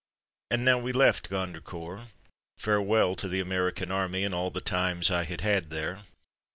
And now we left Gondri court — farewell to the American Army and all the times I had had there.